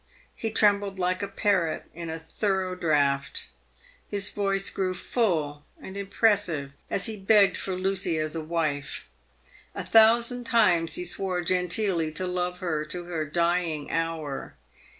He trembled like a parrot in a thorough draught. His voice grew full and impressive as he begged for Lucy as a wife. A thousand times he swore genteely to love her to her dying hour.